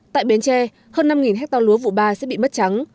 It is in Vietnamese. tại bến tre hơn năm hectare lúa vụ ba sẽ bị mất trắng